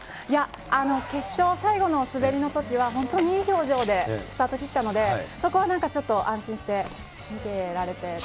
いや、決勝、最後の滑りのときは、本当にいい表情でスタート切ったので、そこはなんかちょっと、安心して見てられて。